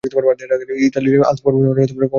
ইতালির আল্পস পর্বতে কমলা জন্মে না।